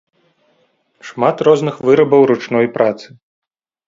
Шмат розных вырабаў ручной працы.